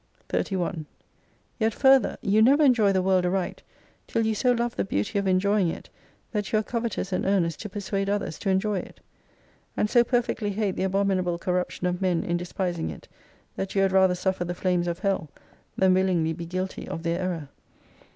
31. Yet further, you never enjoy the world aright, till you so love the beauty of enjoying it that you are covetous and earnest to persuade others to enjoy it. And so perfectly hate the abominable corruption of men in despising it, that you had rather suffer the flames of hell than willingly be guilty of their error.